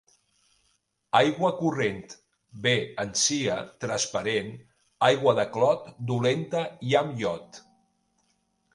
Aigua corrent bé en sia transparent; aigua de clot, dolenta i amb llot.